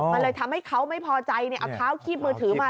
มันเลยทำให้เขาไม่พอใจเอาเท้าคีบมือถือมา